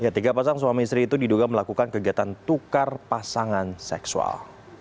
tiga pasang suami istri itu diduga melakukan kegiatan tukar pasangan seksual